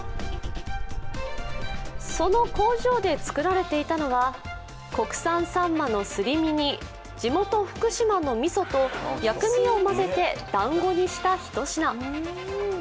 その工場で作られていたのは国産さんまのすり身に地元・福島のみそと薬味を混ぜてだんごにした一品。